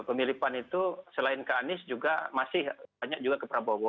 pemilih pan itu selain ke anies juga masih banyak juga ke prabowo